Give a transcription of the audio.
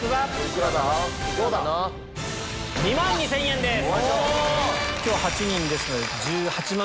２万２０００円です。